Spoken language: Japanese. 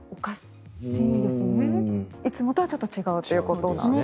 いつもとはちょっと違うということですね。